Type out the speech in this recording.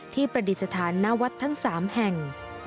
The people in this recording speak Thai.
ที่ประดิษฐานหน้าวัดทั้ง๓แห่ง